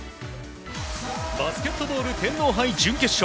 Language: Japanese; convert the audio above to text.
バスケットボール天皇杯準決勝。